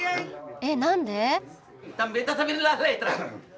えっ何で？